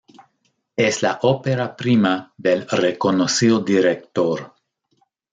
Es la ópera prima del reconocido director.